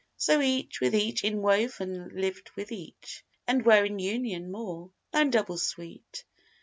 So each with each inwoven lived with each, And were in union more than double sweet.